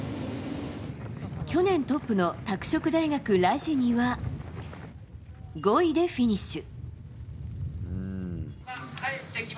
去年トップの拓殖大学ラジニは５位でフィニッシュ。